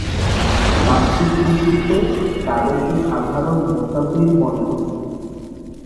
বাহ্যিক দৃষ্টিতে তাদেরকে সাধারণ মুসাফির মনে হচ্ছিল।